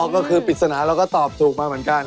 ก็คือปริศนาเราก็ตอบถูกมาเหมือนกัน